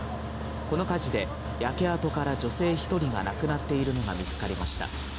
この火事で焼け跡から女性１人が亡くなっているのが見つかりました。